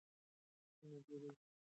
سپینه ډوډۍ غذایي مواد کم لري.